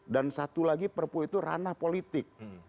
dan satu lagi perpu itu ranah politik